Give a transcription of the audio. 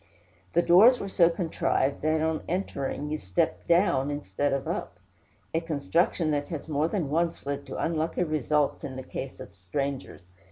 The doors were so contrived that on entering you stepped down instead of up a construction that has more than once led to unlucky results in the case of strangers.